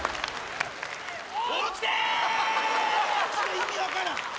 意味分からん。